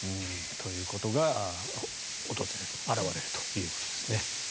ということが表れるということです。